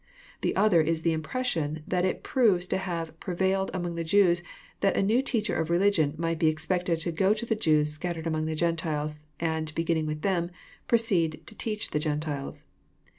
The other is the impression that it proves to have prevailed among the Jews that a new teacher of religion might be expected to go to the Jews scattered among the Gentiles, and, beginning with them, proceed to teach the Gentiles.